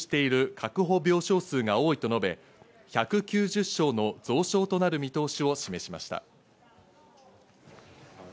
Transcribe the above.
確保病床数が多いとして、１９０床の増床となる見通しを示しました。